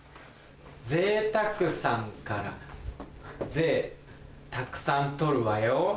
ぜいたくさんから税たくさん取るわよ。